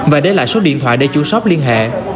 và đây là số điện thoại để chủ shop liên hệ